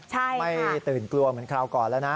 ใช่ไม่ตื่นกลัวเหมือนคราวก่อนแล้วนะ